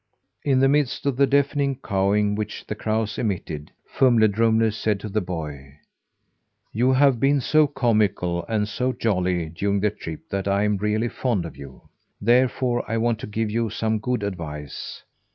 In the midst of the deafening cawing which the crows emitted, Fumle Drumle said to the boy: "You have been so comical and so jolly during the trip that I am really fond of you. Therefore I want to give you some good advice.